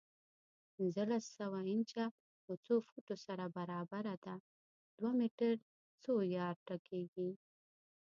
پنځلس سوه انچه له څو فوټو سره برابره ده؟ دوه میټر څو یارډه کېږي؟